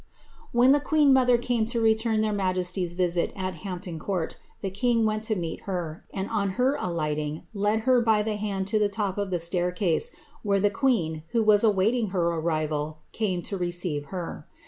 When the queen mother came to return their majesties' Tisit at Hampton Court, the king went to meet her, and on her alighting, led her by the hand to the top of the stair case, where the queen, who was awaiting her arrival, came to receive her.